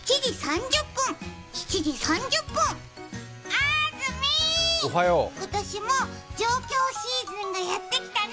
あーずみ、今年も上京シーズンがやってきたね。